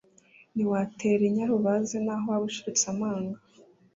Ntiwaterera inyarubaze naho waba ushiritse amanga